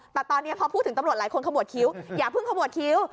แต่ตอนนี้พอพูดถึงตำรวจหลายคนขมวดคิ้วอย่าเพิ่งขมวดคิ้ว